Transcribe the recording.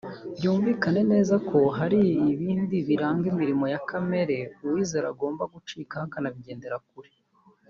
Byumvikane neza ko hari n’ibindi biranga imirimo ya kamere uwizera agomba gucikaho akanabigendera kure